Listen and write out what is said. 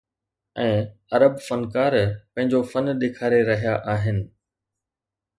۽ عرب فنڪار پنهنجو فن ڏيکاري رهيا آهن.